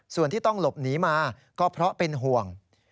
ส่วนที่ต้องหลบหนีมาก็เพราะเป็นห่วง